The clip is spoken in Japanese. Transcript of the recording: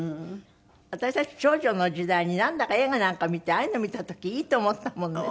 私たち少女の時代になんだか映画なんか見てああいうの見た時いいと思ったもんね